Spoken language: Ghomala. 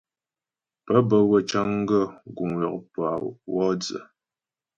Pə́ bə́ wə́ cəŋ gaə́ guŋ yɔkpə wɔ dzə.